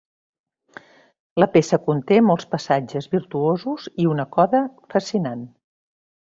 La peça conté molts passatges virtuosos i una coda fascinant.